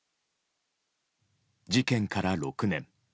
事件から６年。